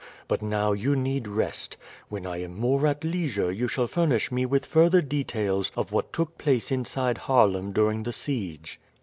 But now you need rest. When I am more at leisure you shall furnish me with further details of what took place inside Haarlem during the siege."